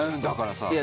だからさ。